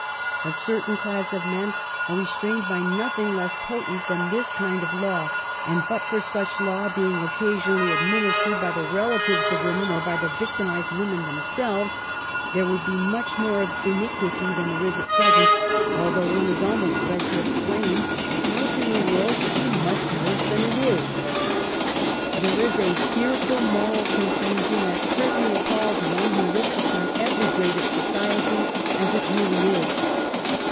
A certain class of men are re strained by nothing less potent than this kind of law, and but for such law being occasionally administered by the relatives of women or by the victimized women themselves, there would be much more of iniquity than there is at present, although one is almost led to exclaim, how can the world be much worse than it is ? There is a fearful moral confusion that certainly appalls one who looks upon every grade of society as it really is.